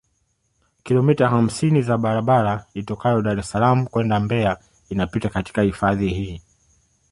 Kilomita hamsini za barabara itokayo Dar es Salaam kwenda Mbeya inapita katika hifadhi hii